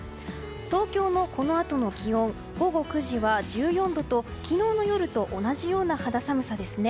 東京のこのあとの気温午後９時は１４度と昨日の夜と同じような肌寒さです。